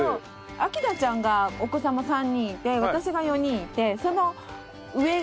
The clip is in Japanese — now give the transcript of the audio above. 明菜ちゃんがお子様３人いて私が４人いて。